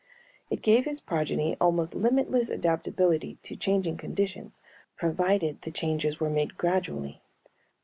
It gave his progeny almost limitless adaptability to changing conditions, provided the changes were made gradually.